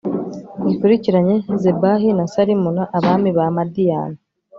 ngikurikiranye zebahi na salimuna, abami ba madiyani